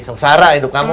sengsara hidup kamu